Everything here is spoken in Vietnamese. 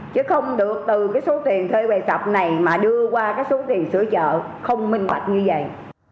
chứ không được từ cái số tiền thuê về sọc này mà đưa qua cái số tiền sửa chợ không minh bạch như vậy